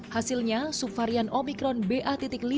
hasilnya subvarian omikron ba lima